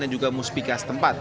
dan juga musbika setempat